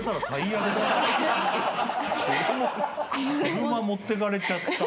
車持ってかれちゃった。